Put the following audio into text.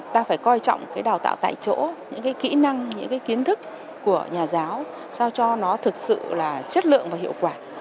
ta phải coi trọng cái đào tạo tại chỗ những cái kỹ năng những cái kiến thức của nhà giáo sao cho nó thực sự là chất lượng và hiệu quả